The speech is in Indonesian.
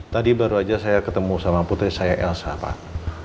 tadi baru saja saya ketemu sama putri saya elsa pak